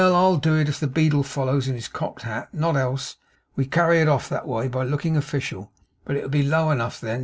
I'll do it if the beadle follows in his cocked hat; not else. We carry it off that way, by looking official, but it'll be low enough, then.